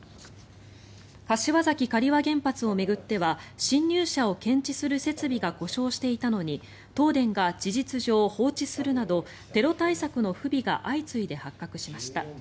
柏崎刈羽原発を巡っては侵入者を検知する設備が故障していたのに東電が事実上放置するなどテロ対策の不備が相次いで発覚しました。